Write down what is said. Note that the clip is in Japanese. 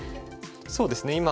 そうですね